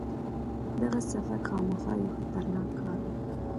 دغه سفر خامخا یو خطرناک کار وو.